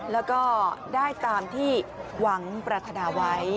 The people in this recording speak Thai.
แล้วก็ได้ตามที่หวังปรารถนาไว้